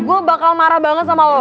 gue bakal marah banget sama lo